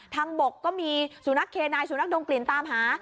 ทางบกก็มีสู่นักเคนายสู่นักดงกลิ่นตามหา